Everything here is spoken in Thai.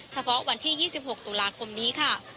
เฉพาะวันที่๒๖ตุลาคมนี้ค่ะ